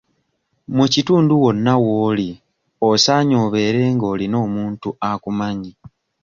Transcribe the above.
Mu kitundu wonna w'oli osaanye obeere nga olina omuntu akumanyi.